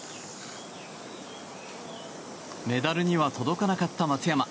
メダルには届かなかった松山。